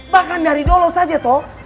bahkan dari dulu saja toh